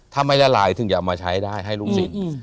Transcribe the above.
ถ้าไม่ละลายถึงจะเอามาใช้ได้ให้ลูกศิษย์